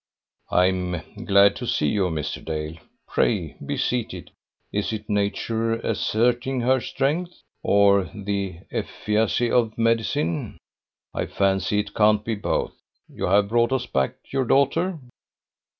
"I am glad to see you, Mr. Dale. Pray, be seated. Is it nature asserting her strength? or the efficacy of medicine? I fancy it can't be both. You have brought us back your daughter?"